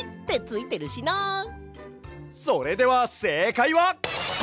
それではせいかいは！？